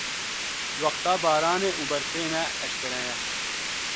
wexta baranê û berfê ne eşkereye.